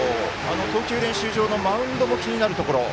投球練習場のマウンドが気になるところ。